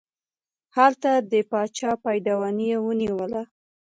هلته یې د باچا پایدواني ونیوله.